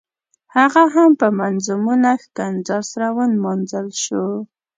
هغه هم په منظمونه ښکنځا سره ونمانځل شو.